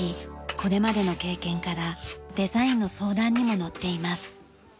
これまでの経験からデザインの相談にものっています。